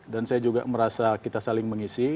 dan saya juga merasa kita saling mengisi